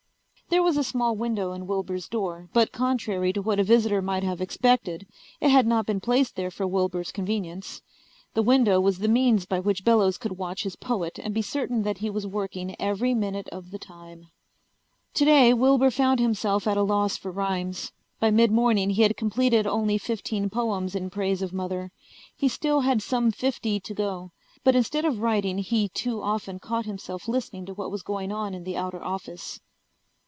There was a small window in Wilbur's door, but contrary to what a visitor might have expected, it had not been placed there for Wilbur's convenience. The window was the means by which Bellows could watch his poet and be certain that he was working every minute of the time. Today Wilbur found himself at a loss for rhymes. By mid morning he had completed only fifteen poems in praise of Mother. He still had some fifty to go. But instead of writing he too often caught himself listening to what was going on in the outer office.